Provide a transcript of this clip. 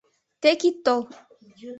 Тек ит тол.